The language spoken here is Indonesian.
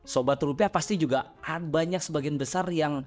sobat rupiah pasti juga banyak sebagian besar yang